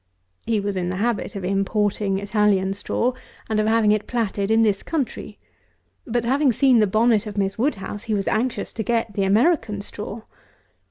He was in the habit of importing Italian straw, and of having it platted in this country; but having seen the bonnet of Miss WOODHOUSE, he was anxious to get the American straw.